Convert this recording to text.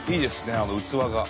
あの器が。